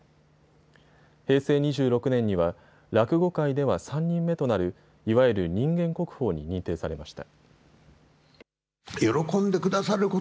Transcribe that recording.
平成２６年には落語界では３人目となる、いわゆる人間国宝に認定されました。